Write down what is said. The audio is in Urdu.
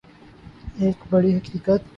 ایک بڑی حقیقت یہ ہے